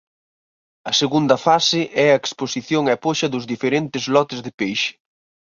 A segunda fase é a exposición e poxa dos diferentes lotes de peixe.